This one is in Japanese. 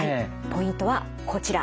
ポイントはこちら。